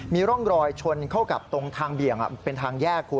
มีร่องรอยชนเข้ากับตรงทางเบี่ยงเป็นทางแยกคุณ